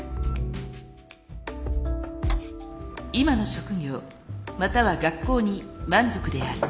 今の職業または学校に満足である。